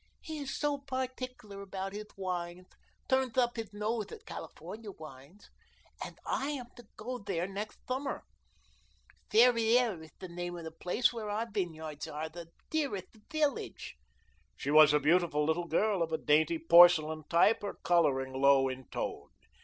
He is so particular about his wines; turns up his nose at California wines. And I am to go there next summer. Ferrieres is the name of the place where our vineyards are, the dearest village!" She was a beautiful little girl of a dainty porcelain type, her colouring low in tone.